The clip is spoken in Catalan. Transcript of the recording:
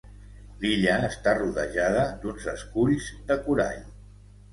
L'illa està rodejada d'uns esculls de corall.